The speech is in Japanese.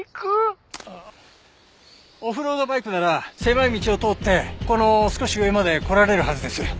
オフロードバイクなら狭い道を通ってこの少し上まで来られるはずです。